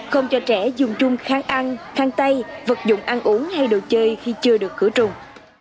không cho trẻ dùng chung kháng ăn khăn tay vật dụng ăn uống hay đồ chơi khi chưa được khử trùng